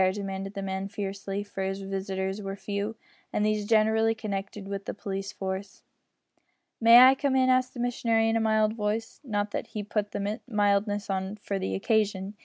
demanded the man, fiercely, for his visitors were few, and these generally connected with the police force. "May I come in?" asked the missionary in a mild voice not that he put the mildness on for the occasion.